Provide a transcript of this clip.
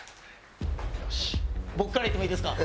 僕からいってもいいですか。